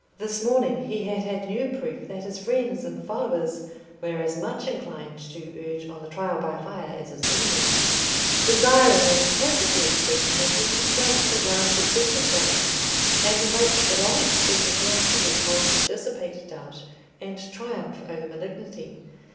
This morning he had had new proof that his friends and followers were as much inclined to urge on the Trial by Fire as his enemies: desiring and tacitly expecting that he himself would at last accept the challenge and evoke the long expected miracle which was to dissipate doubt and triumph over malignity.